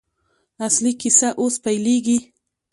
اصلي کیسه اوس پیلېږي.